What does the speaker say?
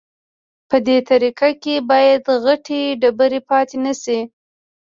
په دې طبقه کې باید غټې ډبرې پاتې نشي